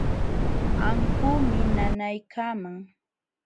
Ankuumi nanaykaman.